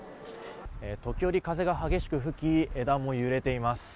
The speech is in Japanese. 時折風が激しく吹き枝も揺れています。